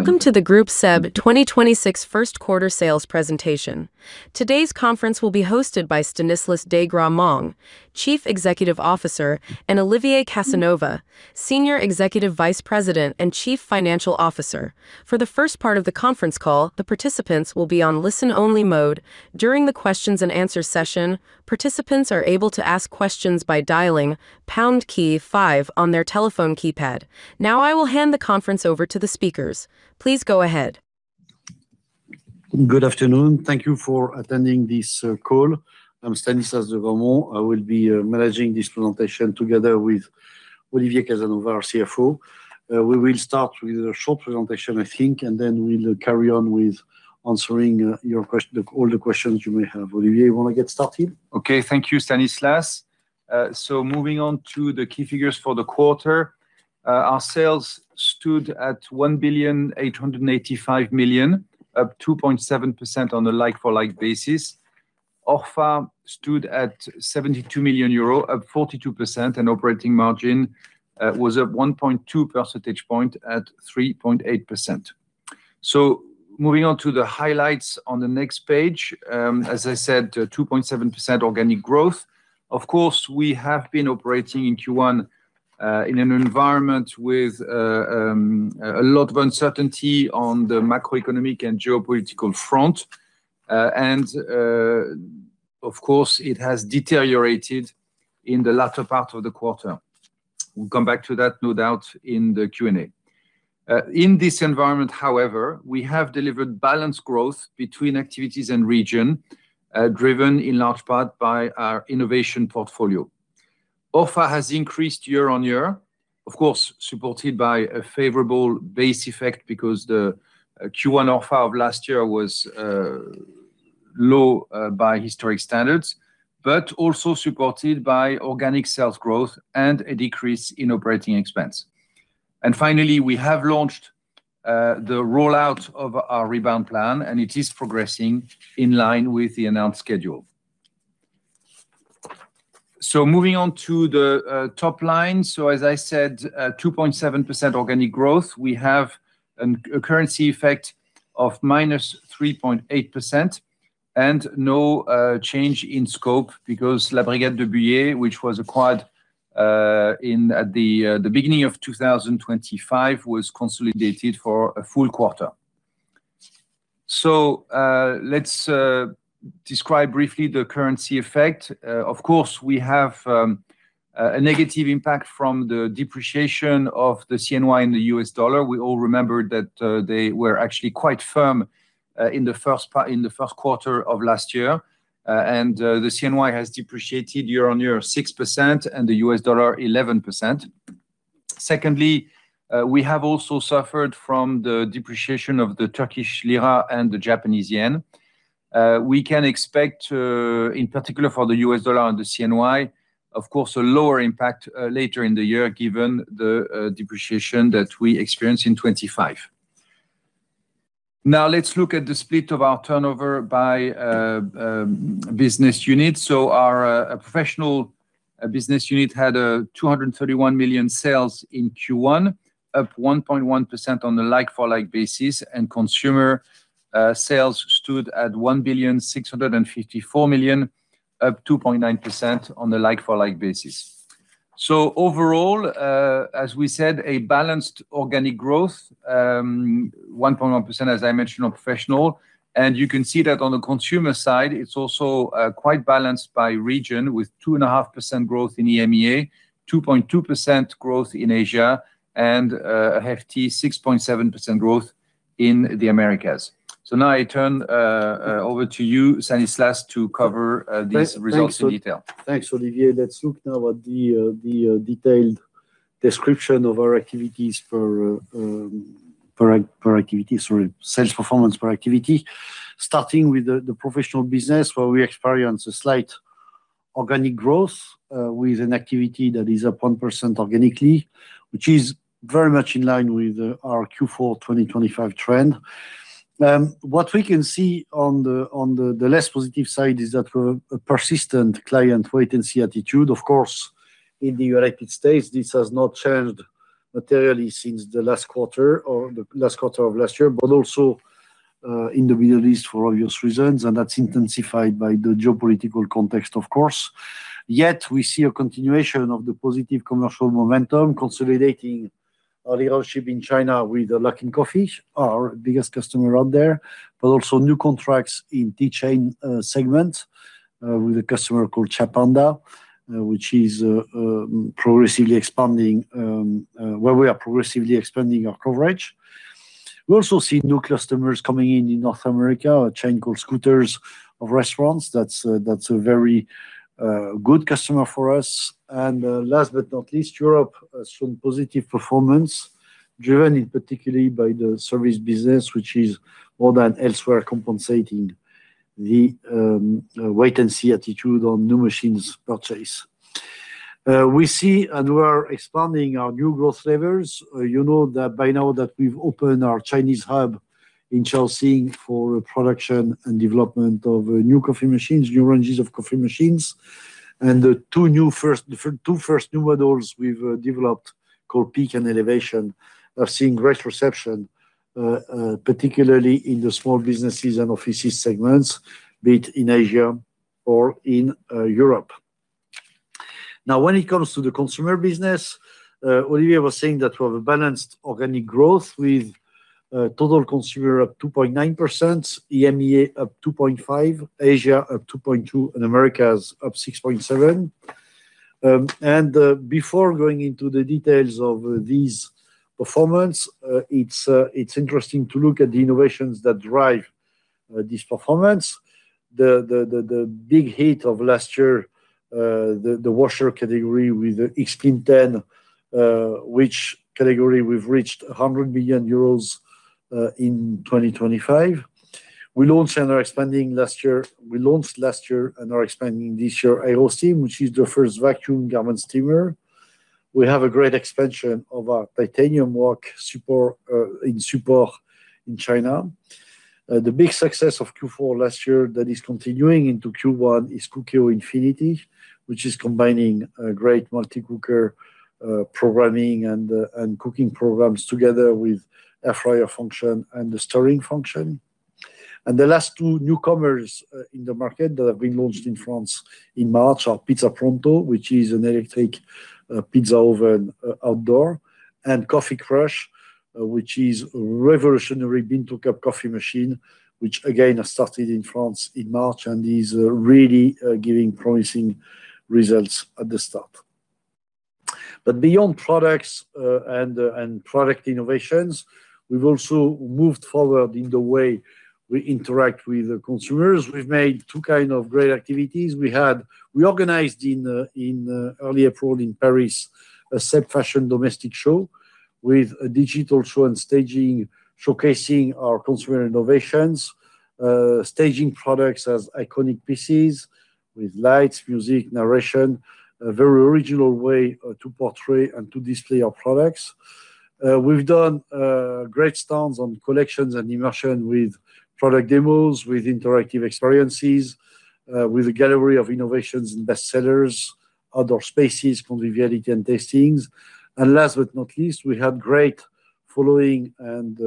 Welcome to the Groupe SEB 2026 first quarter sales presentation. Today's conference will be hosted by Stanislas de Gramont, Chief Executive Officer, and Olivier Casanova, Senior Executive Vice President and Chief Financial Officer. For the first part of the conference call, the participants will be on listen-only mode. During the questions and answers session, participants are able to ask questions by dialing pound key five on their telephone keypad. Now I will hand the conference over to the speakers. Please go ahead. Good afternoon. Thank you for attending this call. I'm Stanislas de Gramont. I will be managing this presentation together with Olivier Casanova, our CFO. We will start with a short presentation, I think, and then we'll carry on with answering all the questions you may have. Olivier, want to get started? Okay. Thank you, Stanislas. Moving on to the key figures for the quarter. Our sales stood at 1,885,000,000, up 2.7% on a like-for-like basis. ORfA stood at 72 million euros, up 42%, and operating margin was up 1.2 percentage point at 3.8%. Moving on to the highlights on the next page. As I said, 2.7% organic growth. Of course, we have been operating in Q1, in an environment with a lot of uncertainty on the macroeconomic and geopolitical front. Of course, it has deteriorated in the latter part of the quarter. We'll come back to that, no doubt, in the Q&A. In this environment, however, we have delivered balanced growth between activities and region, driven in large part by our innovation portfolio. OCF has increased year-on-year, of course, supported by a favorable base effect because the Q1 OCF of last year was low by historic standards, but also supported by organic sales growth and a decrease in operating expense. Finally, we have launched the rollout of our rebound plan, and it is progressing in line with the announced schedule. Moving on to the top line. As I said, 2.7% organic growth. We have a currency effect of -3.8% and no change in scope because La Brigade de Buyer, which was acquired at the beginning of 2025, was consolidated for a full quarter. Let's describe briefly the currency effect. Of course, we have a negative impact from the depreciation of the CNY and the US dollar. We all remember that they were actually quite firm in the first quarter of last year. The CNY has depreciated year-on-year 6%, and the US dollar 11%. Secondly, we have also suffered from the depreciation of the Turkish lira and the Japanese yen. We can expect, in particular for the US dollar and the CNY, of course, a lower impact later in the year given the depreciation that we experienced in 2025. Now let's look at the split of our turnover by business unit. Our professional business unit had 231 million sales in Q1, up 1.1% on a like-for-like basis, and consumer sales stood at 1,654,000,000, up 2.9% on a like-for-like basis. Overall, as we said, a balanced organic growth, 1.1%, as I mentioned, on professional. You can see that on the consumer side, it's also quite balanced by region with 2.5% growth in EMEA, 2.2% growth in Asia and a hefty 6.7% growth in the Americas. Now I turn over to you, Stanislas, to cover these results in detail. Thanks, Olivier. Let's look now at the detailed description of our sales performance per activity. Starting with the professional business where we experience a slight organic growth, with an activity that is up 1% organically, which is very much in line with our Q4 2025 trend. What we can see on the less positive side is that a persistent client wait-and-see attitude. Of course, in the United States, this has not changed materially since the last quarter or the last quarter of last year, but also in the Middle East for obvious reasons, and that's intensified by the geopolitical context of course. Yet we see a continuation of the positive commercial momentum consolidating our leadership in China with Luckin Coffee, our biggest customer out there. New contracts in tea chain segment, with a customer called ChaPanda, where we are progressively expanding our coverage. We also see new customers coming in in North America, a chain called Scooter's Coffee. That's a very good customer for us. Last but not least, Europe has shown positive performance driven particularly by the service business, which is more than elsewhere compensating the wait-and-see attitude on new machines purchase. We see and we are expanding our new growth levers. You know that by now we've opened our Chinese hub in Shaoxing for production and development of new coffee machines, new ranges of coffee machines, and the two first new models we've developed, called Peak and Elevation, are seeing great reception, particularly in the Small Businesses & Offices segment, be it in Asia or in Europe. Now, when it comes to the consumer business, Olivier was saying that we have a balanced organic growth with total consumer up 2.9%, EMEA up 2.5%, Asia up 2.2%, and Americas up 6.7%. Before going into the details of these performance, it's interesting to look at the innovations that drive this performance. The big hit of last year, the washer category with X-Clean 10, which category we've reached 100 billion euros in 2025. We launched last year and are expanding this year AOC, which is the first vacuum garment steamer. We have a great expansion of our titanium wok in Supor in China. The big success of Q4 last year that is continuing into Q1 is Cookeo Infinity, which is combining a great multi-cooker programming and cooking programs together with air fryer function and the stirring function. The last two newcomers in the market that have been launched in France in March are Pizza Pronto, which is an electric pizza oven outdoor, and Coffee Crush, which is revolutionary bean to cup coffee machine, which again, has started in France in March and is really giving promising results at the start. Beyond products and product innovations, we've also moved forward in the way we interact with the consumers. We've made two kinds of great activities. We organized in early April in Paris, a SEB fashion domestic show with a digital show and staging, showcasing our consumer innovations, staging products as iconic pieces with lights, music, narration, a very original way to portray and to display our products. We've done great stands on collections and immersion with product demos, with interactive experiences, with a gallery of innovations and bestsellers, outdoor spaces, conviviality, and tastings. Last but not least, we had great following and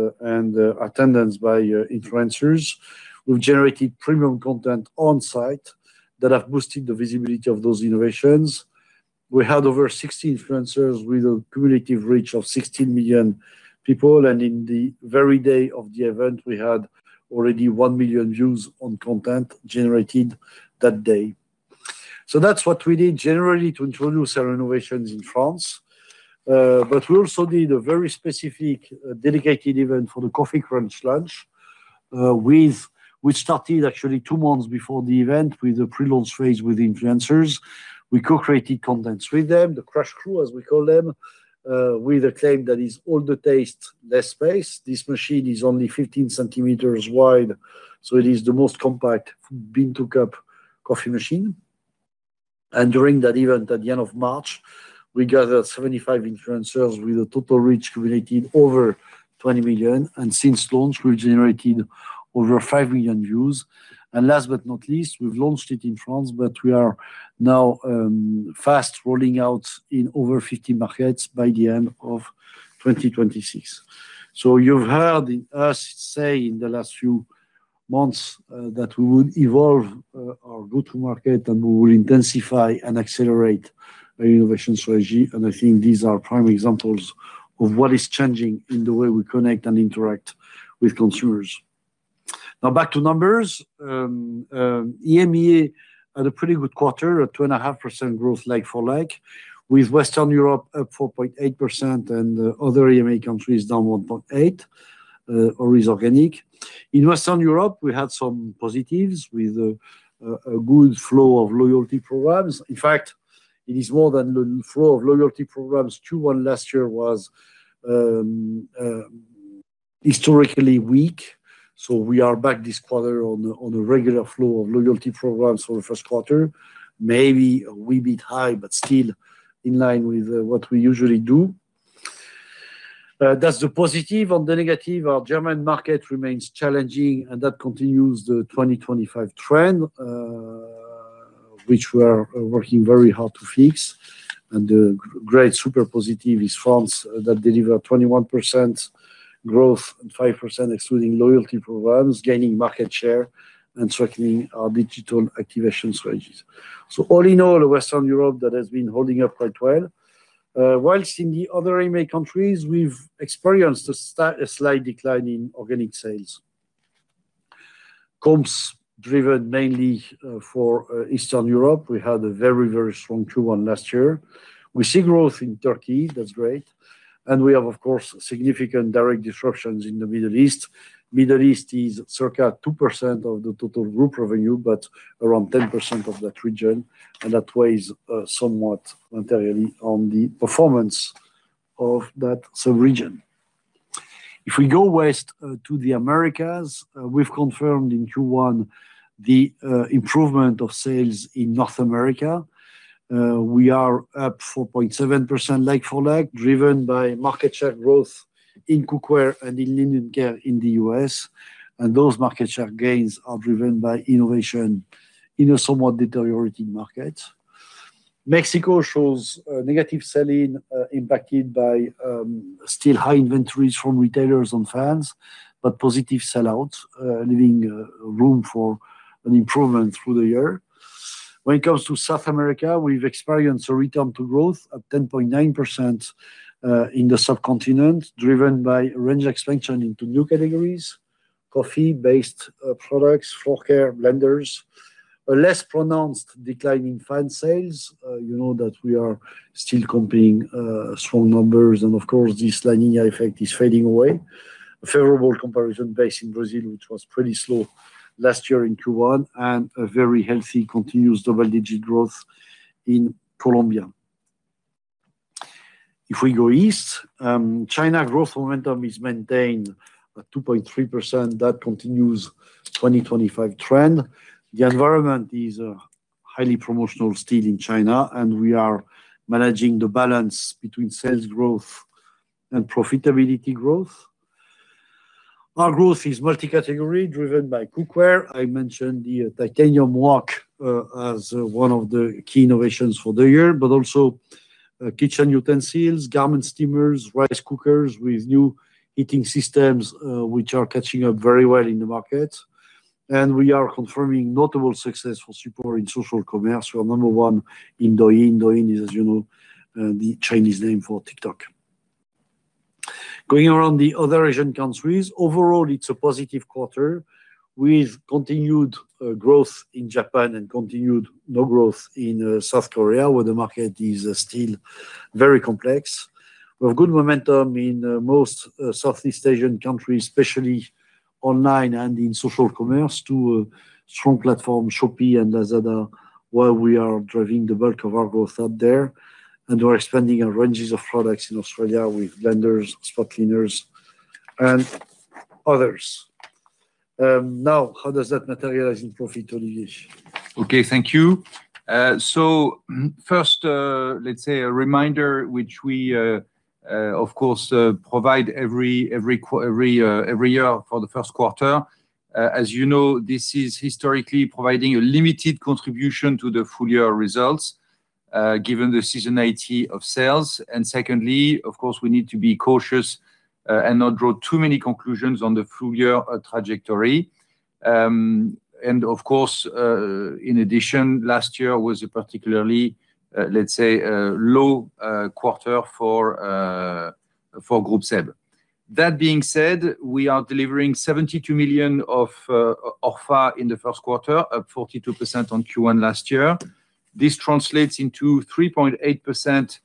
attendance by influencers. We've generated premium content on-site that have boosted the visibility of those innovations. We had over 60 influencers with a cumulative reach of 16 million people, and on the very day of the event, we had already 1 million views on content generated that day. That's what we did generally to introduce our innovations in France. We also did a very specific, dedicated event for the Coffee Crush launch, which started actually two months before the event with a pre-launch phase with influencers. We co-created contents with them, the Crush crew, as we call them, with a claim that is all the taste, less space. This machine is only 15 cm wide, so it is the most compact bean to cup coffee machine. During that event at the end of March, we gathered 75 influencers with a total reach cumulative over 20 million, and since launch, we've generated over 5 million views. Last but not least, we've launched it in France, but we are now fast rolling out in over 50 markets by the end of 2026. You've heard us say in the last few months that we would evolve our go-to market, and we will intensify and accelerate our innovation strategy. I think these are prime examples of what is changing in the way we connect and interact with consumers. Now back to numbers. EMEA had a pretty good quarter, a 2.5% growth like-for-like, with Western Europe up 4.8% and other EMEA countries down 1.8%, always organic. In Western Europe, we had some positives with a good flow of loyalty programs. In fact, it is more than the flow of loyalty programs. Q1 last year was historically weak, so we are back this quarter on a regular flow of loyalty programs for the first quarter. Maybe a wee bit high, but still in line with what we usually do. That's the positive. On the negative, our German market remains challenging, and that continues the 2025 trend, which we are working very hard to fix. The great super positive is France that delivered 21% growth and 5% excluding loyalty programs, gaining market share, and strengthening our digital activation strategies. All in all, Western Europe that has been holding up quite well. While in the other EMEA countries, we've experienced a slight decline in organic sales. Comps driven mainly for Eastern Europe. We had a very strong Q1 last year. We see growth in Turkey. That's great. We have, of course, significant direct disruptions in the Middle East. Middle East is circa 2% of the total group revenue, but around 10% of that region, and that weighs somewhat materially on the performance of that sub-region. If we go west to the Americas, we've confirmed in Q1 the improvement of sales in North America. We are up 4.7% like-for-like, driven by market share growth in cookware and in linen care in the U.S., and those market share gains are driven by innovation in a somewhat deteriorating market. Mexico shows negative sell-in impacted by still high inventories from retailers and fans, but positive sell-outs, leaving room for an improvement through the year. When it comes to South America, we've experienced a return to growth of 10.9% in the subcontinent, driven by range expansion into new categories, coffee-based products, floor care, blenders, a less pronounced decline in fan sales. You know that we are still comparing strong numbers, and of course, this La Niña effect is fading away. A favorable comparison base in Brazil, which was pretty slow last year in Q1, and a very healthy continuous double-digit growth in Colombia. If we go east, China growth momentum is maintained at 2.3%. That continues 2025 trend. The environment is highly promotional still in China, and we are managing the balance between sales growth and profitability growth. Our growth is multi-category driven by cookware. I mentioned the titanium wok as one of the key innovations for the year, but also kitchen utensils, garment steamers, rice cookers with new heating systems, which are catching up very well in the market. We are confirming notable success for Supor in social commerce. We are number one in Douyin. Douyin is, as you know, the Chinese name for TikTok. Going around the other Asian countries, overall it's a positive quarter with continued growth in Japan and continued no growth in South Korea, where the market is still very complex. We have good momentum in most Southeast Asian countries, especially online and in social commerce, on strong platforms Shopee and Lazada, where we are driving the bulk of our growth out there and we're expanding our ranges of products in Australia with blenders, spot cleaners, and others. Now, how does that materialize in profit, Olivier? Okay. Thank you. First, let's say a reminder, which we, of course, provide every year for the first quarter. As you know, this is historically providing a limited contribution to the full year results, given the seasonality of sales. Secondly, of course, we need to be cautious and not draw too many conclusions on the full year trajectory. Of course, in addition, last year was a particularly, let's say, low quarter for Groupe SEB. That being said, we are delivering 72 million of ORfA in the first quarter, up 42% on Q1 last year. This translates into 3.8%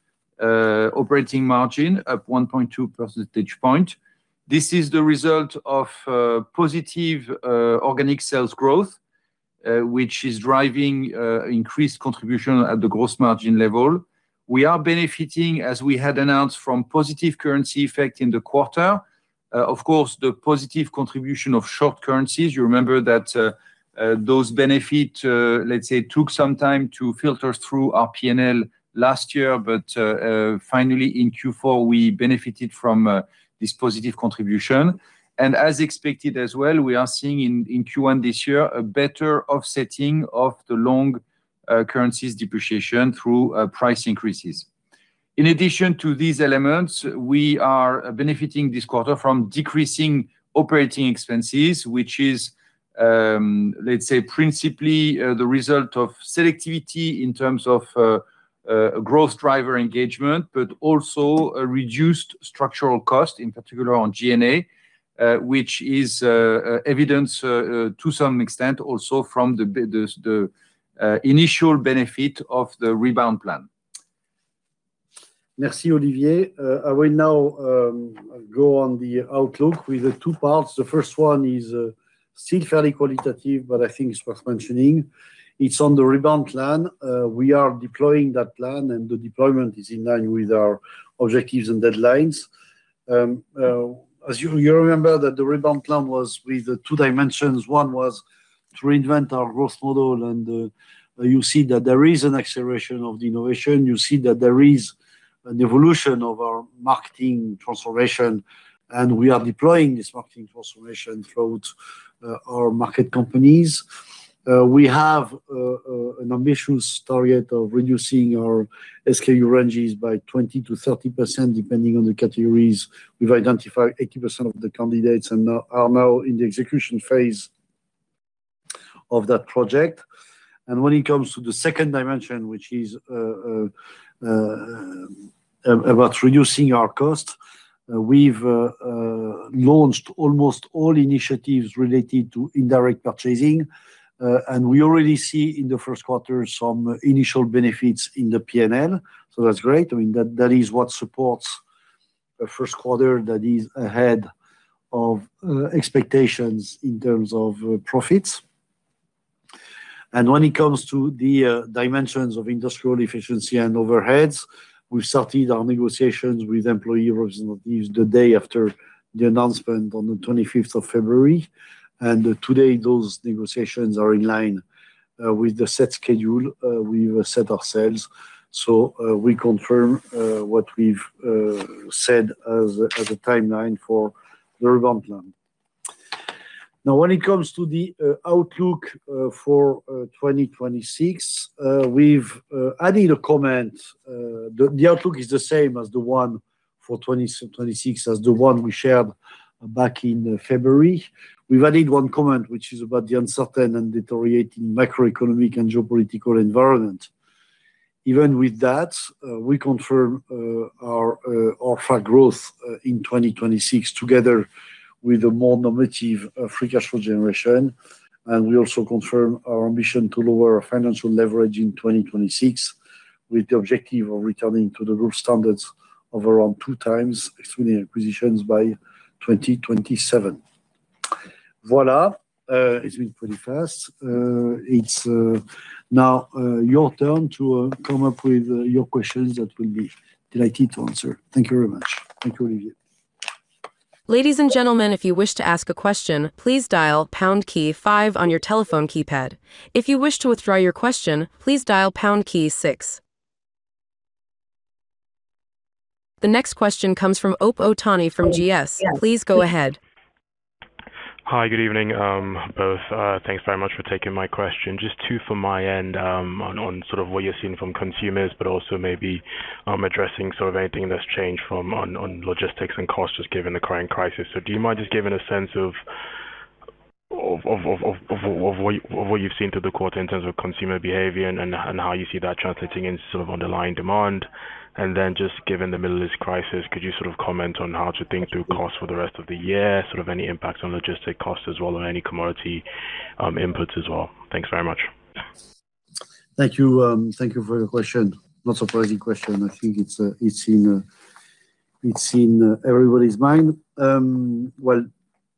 operating margin, up 1.2 percentage point. This is the result of positive organic sales growth, which is driving increased contribution at the gross margin level. We are benefiting, as we had announced, from positive currency effect in the quarter. Of course, the positive contribution of short currencies, you remember that those benefits, let's say, took some time to filter through our P&L last year, but finally in Q4, we benefited from this positive contribution. As expected as well, we are seeing in Q1 this year a better offsetting of the long currencies depreciation through price increases. In addition to these elements, we are benefiting this quarter from decreasing operating expenses, which is, let's say, principally the result of selectivity in terms of growth driver engagement, but also a reduced structural cost, in particular on G&A, which is evident to some extent also from the initial benefit of the rebound plan. Merci, Olivier. I will now go on the outlook with two parts. The first one is still fairly qualitative, but I think it's worth mentioning. It's on the rebound plan. We are deploying that plan, and the deployment is in line with our objectives and deadlines. You remember that the rebound plan was with two dimensions. One was to reinvent our growth model, and you see that there is an acceleration of the innovation. You see that there is an evolution of our marketing transformation, and we are deploying this marketing transformation throughout our market companies. We have an ambitious target of reducing our SKU ranges by 20%-30%, depending on the categories. We've identified 80% of the candidates and are now in the execution phase of that project. When it comes to the second dimension, which is about reducing our cost, we've launched almost all initiatives related to indirect purchasing, and we already see in the first quarter some initial benefits in the P&L. That's great. I mean, that is what supports a first quarter that is ahead of expectations in terms of profits. When it comes to the dimensions of industrial efficiency and overheads, we started our negotiations with employee representatives the day after the announcement on the 25th of February. Today those negotiations are in line with the set schedule we've set ourselves. We confirm what we've said as a timeline for the rebound plan. Now, when it comes to the outlook for 2026, we've added a comment. The outlook is the same as the one for 2026 as the one we shared back in February. We've added one comment, which is about the uncertain and deteriorating macroeconomic and geopolitical environment. Even with that, we confirm our organic growth in 2026, together with a more normative free cash flow generation. We also confirm our ambition to lower our financial leverage in 2026, with the objective of returning to the group standards of around 2x excluding acquisitions by 2027. Voilà. It's been pretty fast. It's now your turn to come up with your questions that we'll be delighted to answer. Thank you very much. Thank you, Olivier. The next question comes from Ope Otaniyi from GS. Please go ahead. Hi. Good evening, both. Thanks very much for taking my question. Just two from my end, on sort of what you're seeing from consumers, but also maybe addressing sort of anything that's changed on logistics and costs just given the current crisis. Do you mind just giving a sense of what you've seen through the quarter in terms of consumer behavior and how you see that translating into sort of underlying demand? Just given the Middle East crisis, could you sort of comment on how to think through costs for the rest of the year, sort of any impact on logistic costs as well, or any commodity inputs as well? Thanks very much. Thank you. Thank you for your question. Not surprising question. I think it's in everybody's mind. Well,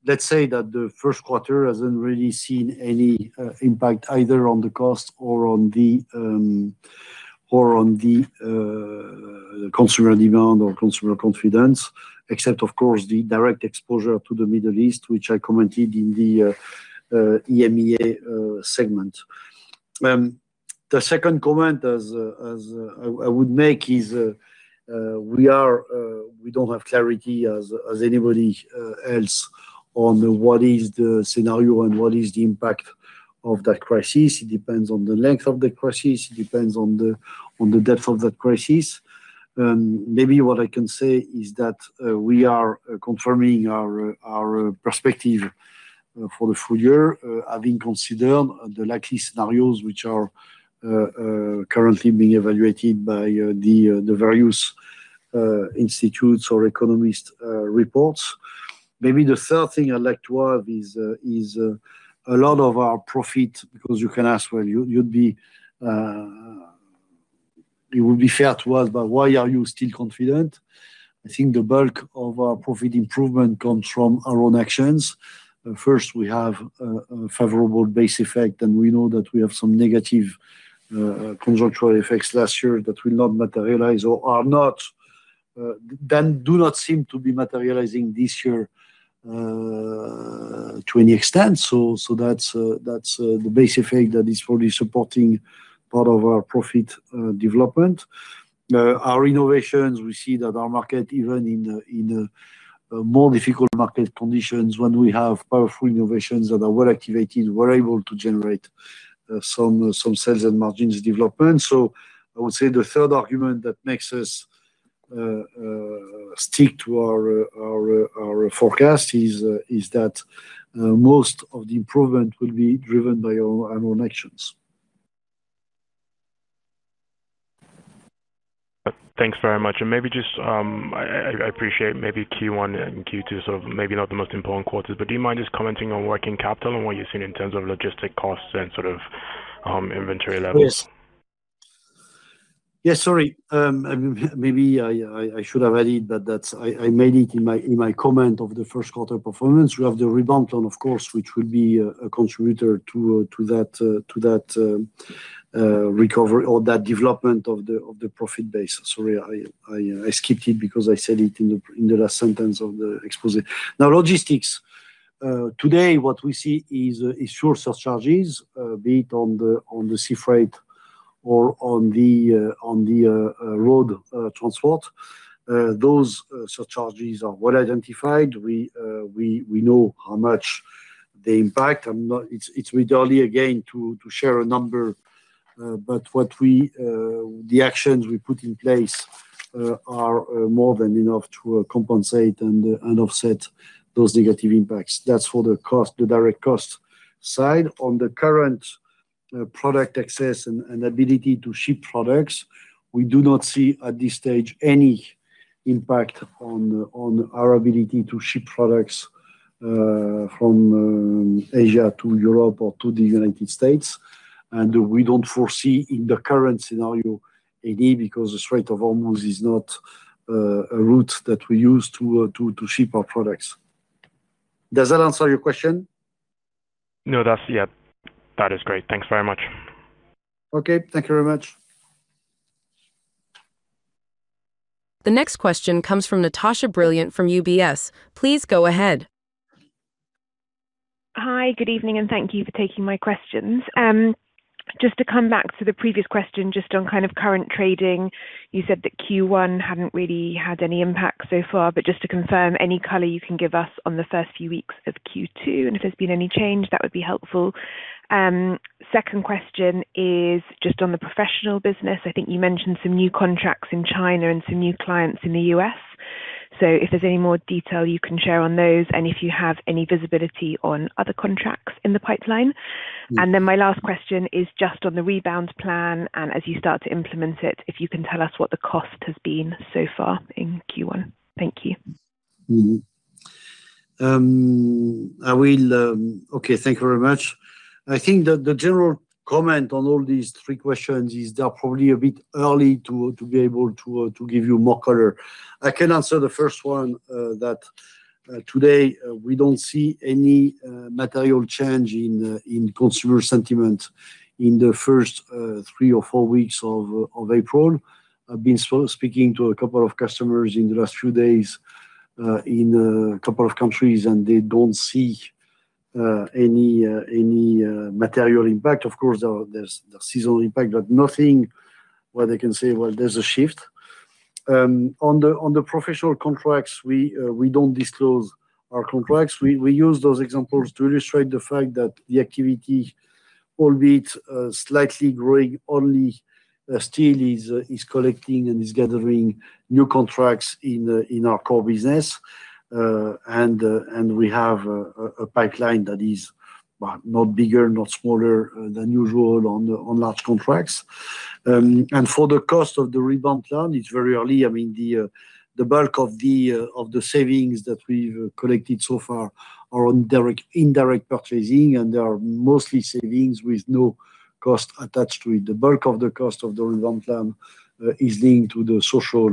let's say that the first quarter hasn't really seen any impact either on the cost or on the consumer demand or consumer confidence, except, of course, the direct exposure to the Middle East, which I commented on in the EMEA segment. The second comment I would make is we don't have clarity as anybody else on what is the scenario and what is the impact of that crisis. It depends on the length of the crisis. It depends on the depth of that crisis. Maybe what I can say is that we are confirming our perspective for the full year, having considered the likely scenarios which are currently being evaluated by the various institutes' or economists' reports. Maybe the third thing I'd like to add is a lot of our profit, because you can ask, well, it would be fair to ask, but why are you still confident? I think the bulk of our profit improvement comes from our own actions. First, we have a favorable base effect, and we know that we have some negative conjunctural effects last year that will not materialize or do not seem to be materializing this year to any extent. That's the base effect that is fully supporting part of our profit development. Our innovations, we see that our market, even in more difficult market conditions, when we have powerful innovations that are well activated, we're able to generate some sales and margins development. I would say the third argument that makes us stick to our forecast is that most of the improvement will be driven by our own actions. Thanks very much. I appreciate maybe Q1 and Q2 sort of maybe not the most important quarters, but do you mind just commenting on working capital and what you're seeing in terms of logistic costs and sort of inventory levels? Yes. Yeah, sorry. Maybe I should have added, but I made it in my comment of the first quarter performance. We have the rebound plan, of course, which will be a contributor to that recovery or that development of the profit base. Sorry, I skipped it because I said it in the last sentence of the exposé. Now logistics. Today, what we see is sure surcharges, be it on the sea freight or on the road transport. Those surcharges are well identified. We know how much they impact. It's redundant again, to share a number, but the actions we put in place are more than enough to compensate and offset those negative impacts. That's for the direct cost side. On the current product access and ability to ship products, we do not see at this stage any impact on our ability to ship products from Asia to Europe or to the United States. We don't foresee in the current scenario any, because the Strait of Hormuz is not a route that we use to ship our products. Does that answer your question? No, that's. Yeah. That is great. Thanks very much. Okay. Thank you very much. The next question comes from Natasha Brilliant from UBS. Please go ahead. Hi. Good evening, and thank you for taking my questions. Just to come back to the previous question just on current trading. You said that Q1 hadn't really had any impact so far, but just to confirm, any color you can give us on the first few weeks of Q2, and if there's been any change, that would be helpful. Second question is just on the professional business. I think you mentioned some new contracts in China and some new clients in the U.S. So if there's any more detail you can share on those and if you have any visibility on other contracts in the pipeline. Yes. My last question is just on the rebound plan and as you start to implement it, if you can tell us what the cost has been so far in Q1. Thank you. Thank you very much. I think that the general comment on all these three questions is they're probably a bit early to be able to give you more color. I can answer the first one, that today we don't see any material change in consumer sentiment in the first three or four weeks of April. I've been speaking to a couple of customers in the last few days, in a couple of countries, and they don't see any material impact. Of course, there's the seasonal impact, but nothing where they can say, well, there's a shift. On the professional contracts, we don't disclose our contracts. We use those examples to illustrate the fact that the activity, albeit slightly growing only, still is collecting and is gathering new contracts in our core business. We have a pipeline that is not bigger, not smaller than usual on large contracts. For the cost of the rebound plan, it's very early. The bulk of the savings that we've collected so far are on indirect purchasing, and they are mostly savings with no cost attached to it. The bulk of the cost of the rebound plan is linked to the social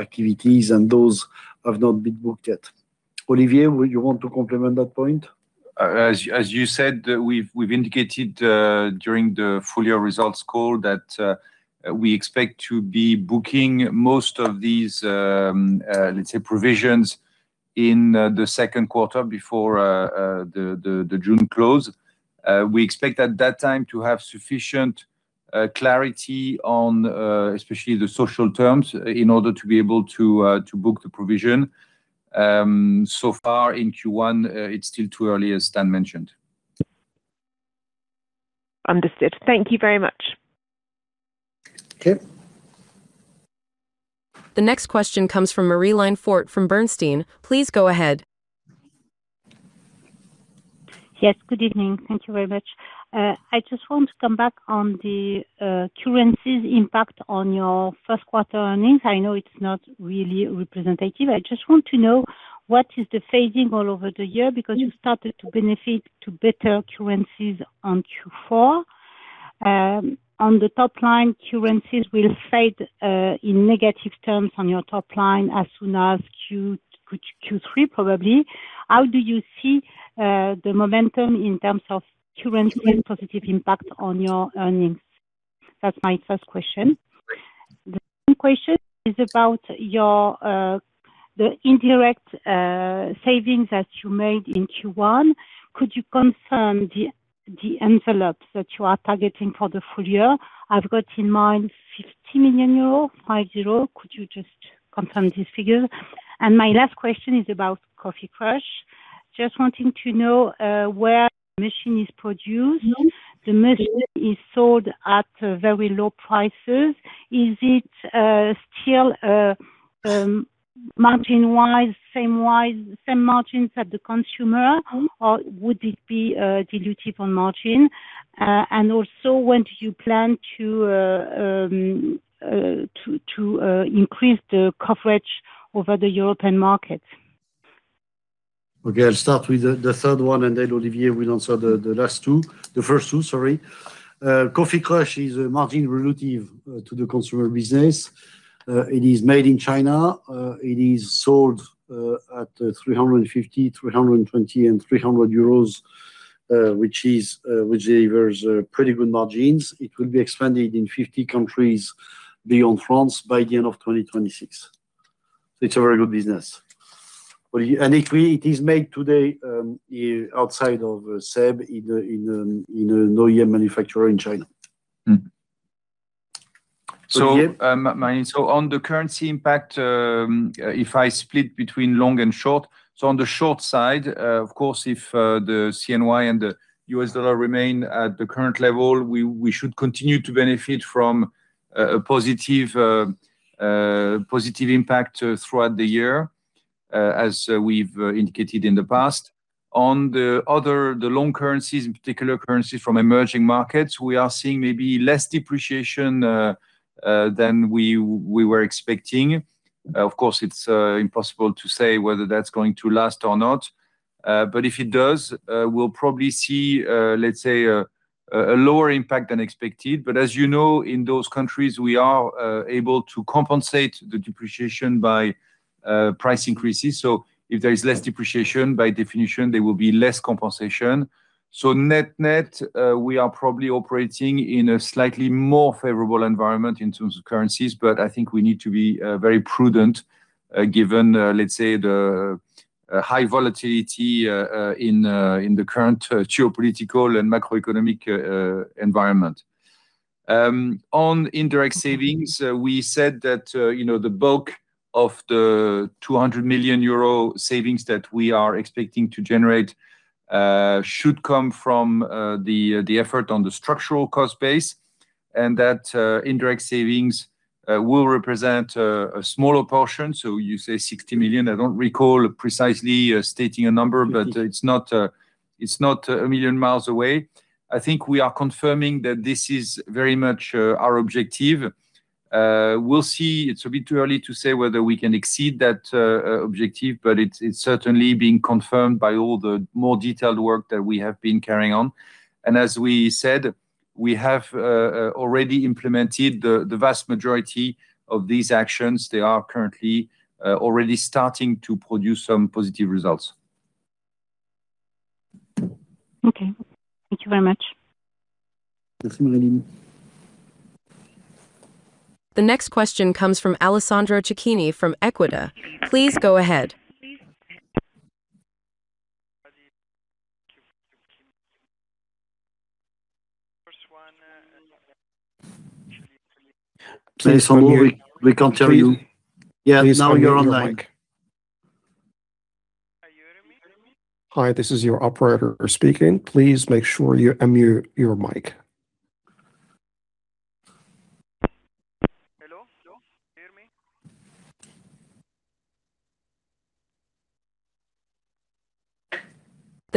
activities, and those have not been booked yet. Olivier, you want to complement that point? As you said, we've indicated during the full year results call that we expect to be booking most of these, let's say, provisions in the second quarter before the June close. We expect at that time to have sufficient clarity on especially the social terms in order to be able to book the provision. Far in Q1, it's still too early, as Stan mentioned. Understood. Thank you very much. Okay. The next question comes from Marie-Line Fort from Bernstein. Please go ahead. Yes. Good evening. Thank you very much. I just want to come back on the currencies impact on your first quarter earnings. I know it's not really representative. I just want to know what is the phasing all over the year, because you started to benefit to better currencies on Q4. On the top line, currencies will fade in negative terms on your top line as soon as Q3 probably. How do you see the momentum in terms of currency and positive impact on your earnings? That's my first question. The second question is about the indirect savings that you made in Q1. Could you confirm the envelope that you are targeting for the full year? I've got in mind 50 million euro, 50. Could you just confirm this figure? My last question is about Coffee Crush. Just wanting to know where the machine is produced. The machine is sold at very low prices. Is it still, margin-wise, same margins at the consumer, or would it be dilutive on margin? Also when do you plan to increase the coverage over the European markets? Okay. I'll start with the third one, and then Olivier will answer the first two. Coffee Crush is a margin relative to the consumer business. It is made in China. It is sold at 350, 320 and 300 euros, which delivers pretty good margins. It will be expanded in 50 countries beyond France by the end of 2026. It's a very good business. It is made today outside of SEB in a no-name manufacturer in China. On the currency impact, if I split between long and short. On the short side, of course, if the CNY and the US dollar remain at the current level, we should continue to benefit from a positive impact throughout the year, as we've indicated in the past. On the other, the long currencies in particular, currencies from emerging markets, we are seeing maybe less depreciation than we were expecting. Of course, it's impossible to say whether that's going to last or not. If it does, we'll probably see, let's say a lower impact than expected. As you know, in those countries, we are able to compensate the depreciation by price increases. If there is less depreciation, by definition, there will be less compensation. Net-net, we are probably operating in a slightly more favorable environment in terms of currencies. I think we need to be very prudent given, let's say, the high volatility in the current geopolitical and macroeconomic environment. On indirect savings, we said that the bulk of the 200 million euro savings that we are expecting to generate should come from the effort on the structural cost base, and that indirect savings will represent a smaller portion. You say 60 million. I don't recall precisely stating a number, but it's not a million miles away. I think we are confirming that this is very much our objective. We'll see. It's a bit too early to say whether we can exceed that objective, but it's certainly being confirmed by all the more detailed work that we have been carrying on. We have already implemented the vast majority of these actions. They are currently already starting to produce some positive results. Okay. Thank you very much. Merci, Marie. The next question comes from Alessandro Cecchini from Equita. Please go ahead. Please. Please hold. We can't hear you. Yeah. Now you're on mic. Can you hear me? Hi, this is your operator speaking. Please make sure you unmute your mic.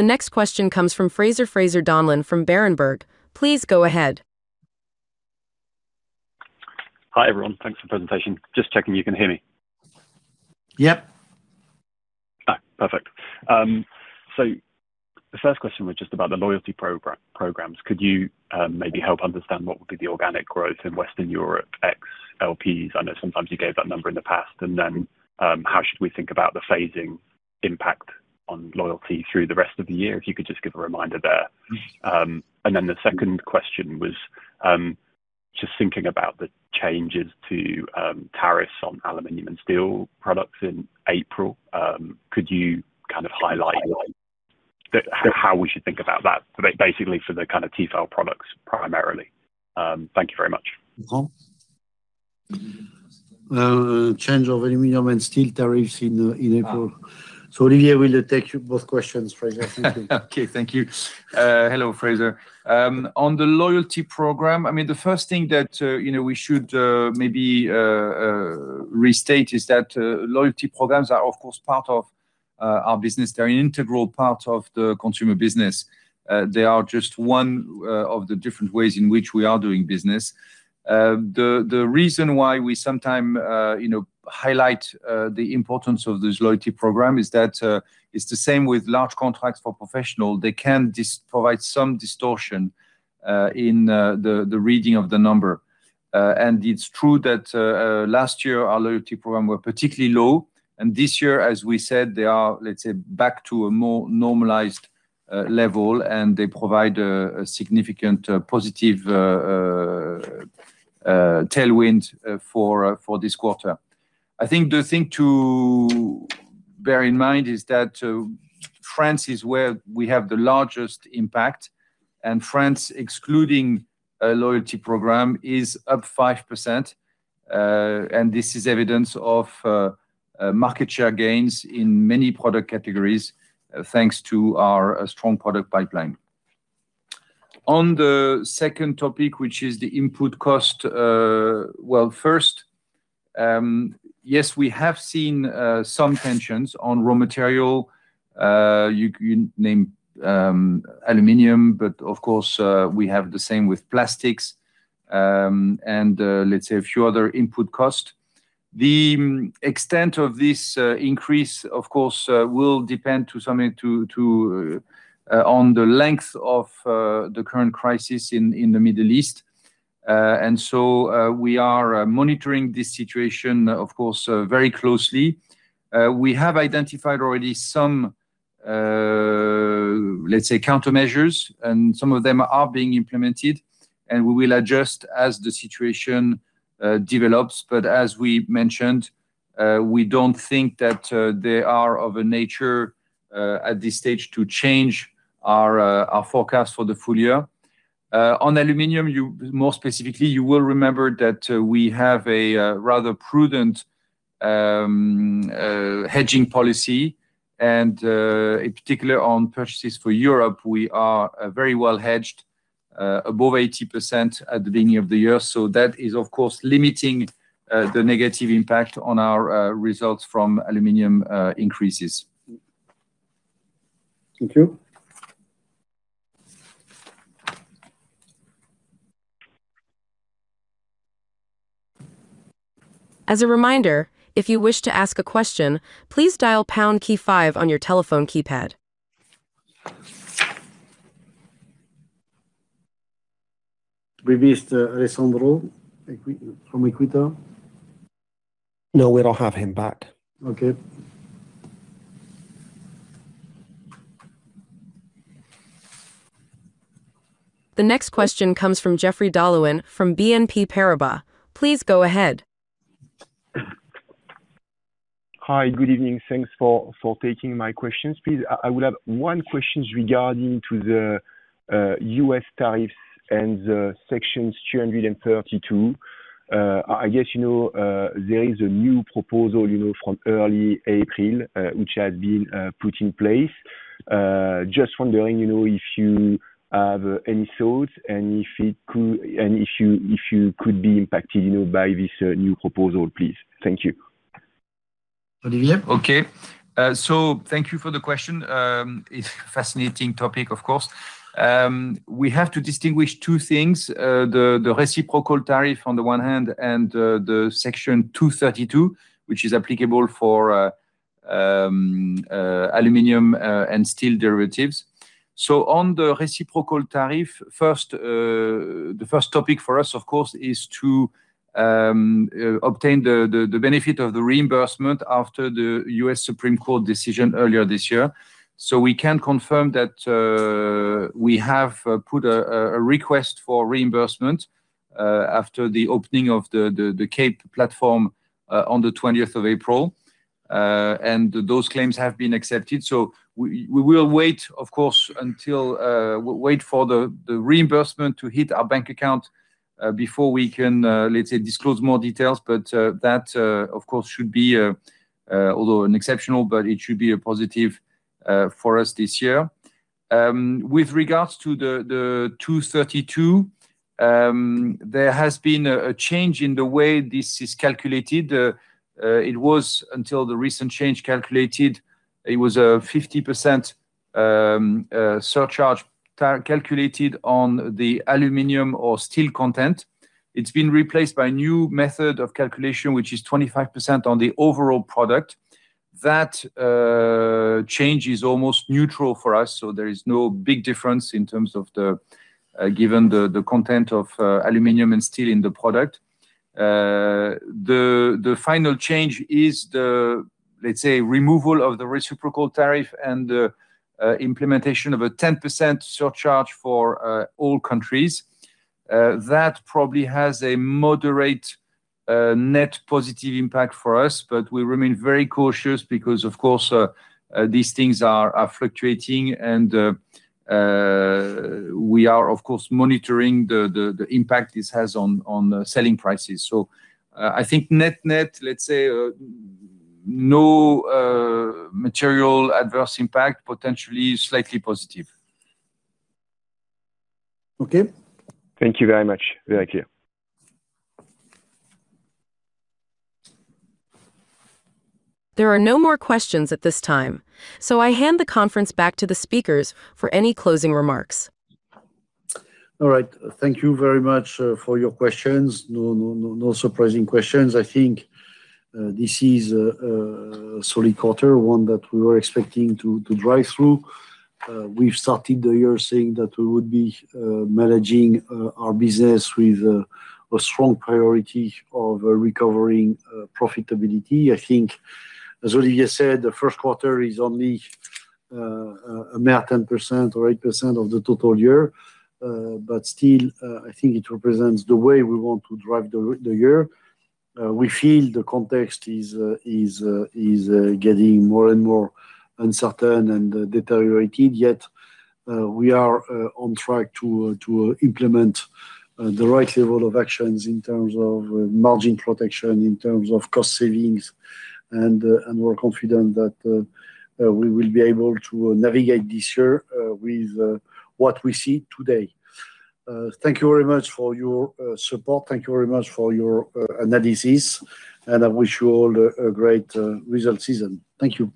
Hello? Can you hear me? The next question comes from Fraser Donlon from Berenberg. Please go ahead. Hi, everyone. Thanks for the presentation. Just checking you can hear me. Yep. All right. Perfect. The first question was just about the loyalty programs. Could you maybe help understand what would be the organic growth in Western Europe ex LPs? I know sometimes you gave that number in the past. How should we think about the phasing impact on loyalty through the rest of the year? If you could just give a reminder there. The second question was just thinking about the changes to tariffs on aluminum and steel products in April, could you kind of highlight how we should think about that, basically for the Tefal products primarily? Thank you very much. Jean? Change of aluminum and steel tariffs in April. Ah. Olivier will take both questions, Fraser. Thank you. Okay. Thank you. Hello, Fraser. On the loyalty program, the first thing that we should maybe restate is that loyalty programs are of course part of our business. They're an integral part of the consumer business. They are just one of the different ways in which we are doing business. The reason why we sometimes highlight the importance of this loyalty program is that it's the same with large contracts for professional. They can provide some distortion in the reading of the number. It's true that last year our loyalty program were particularly low, and this year, as we said, they are, let's say, back to a more normalized level, and they provide a significant positive tailwind for this quarter. I think the thing to bear in mind is that France is where we have the largest impact, and France, excluding a loyalty program, is up 5%. This is evidence of market share gains in many product categories, thanks to our strong product pipeline. On the second topic, which is the input cost, well, first, yes, we have seen some tensions on raw material. You named aluminum, but of course, we have the same with plastics, and let's say a few other input costs. The extent of this increase, of course, will depend to some extent on the length of the current crisis in the Middle East. We are monitoring this situation, of course, very closely. We have identified already some, let's say, countermeasures, and some of them are being implemented, and we will adjust as the situation develops. As we mentioned, we don't think that they are of a nature at this stage to change our forecast for the full year. On aluminum, more specifically, you will remember that we have a rather prudent hedging policy, and in particular on purchases for Europe, we are very well hedged, above 80% at the beginning of the year. That is, of course, limiting the negative impact on our results from aluminum increases. Thank you. As a reminder, if you wish to ask a question, please dial pound key five on your telephone keypad. We missed Alessandro from Equita. No, we don't have him back. Okay. The next question comes from Geoffrey d'Halluin from BNP Paribas. Please go ahead. Hi. Good evening. Thanks for taking my questions. Please, I would have one question regarding to the U.S. tariffs and the Section 232. I guess you know, there is a new proposal, from early April, which has been put in place. Just wondering if you have any thoughts and if you could be impacted by this new proposal, please. Thank you. Olivier? Okay. Thank you for the question. It's a fascinating topic, of course. We have to distinguish two things. The reciprocal tariff on the one hand and the Section 232, which is applicable for aluminum and steel derivatives. On the reciprocal tariff, the first topic for us, of course, is to obtain the benefit of the reimbursement after the U.S. Supreme Court decision earlier this year. We can confirm that we have put a request for reimbursement after the opening of the CAPE platform on the 20th of April. Those claims have been accepted. We will wait, of course, for the reimbursement to hit our bank account before we can disclose more details. That, of course, should be, although an exceptional, but it should be a positive for us this year. With regards to Section 232, there has been a change in the way this is calculated. It was, until the recent change, calculated it was a 50% surcharge calculated on the aluminum or steel content. It's been replaced by a new method of calculation, which is 25% on the overall product. That change is almost neutral for us, so there is no big difference in terms of given the content of aluminum and steel in the product. The final change is the removal of the reciprocal tariff and the implementation of a 10% surcharge for all countries. That probably has a moderate net positive impact for us, but we remain very cautious because, of course, these things are fluctuating and we are monitoring the impact this has on selling prices. I think net-net, let's say, no material adverse impact, potentially slightly positive. Okay. Thank you very much. Thank you. There are no more questions at this time, so I hand the conference back to the speakers for any closing remarks. All right. Thank you very much for your questions. No surprising questions. I think this is a solid quarter, one that we were expecting to drive through. We've started the year saying that we would be managing our business with a strong priority of recovering profitability. I think, as Olivier said, the first quarter is only a mere 10% or 8% of the total year. Still, I think it represents the way we want to drive the year. We feel the context is getting more and more uncertain and deteriorated, yet we are on track to implement the right level of actions in terms of margin protection, in terms of cost savings. We're confident that we will be able to navigate this year with what we see today. Thank you very much for your support. Thank you very much for your analysis, and I wish you all a great results season. Thank you.